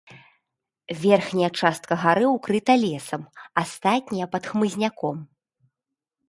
Верхняя частка гары ўкрыта лесам, астатняя пад хмызняком.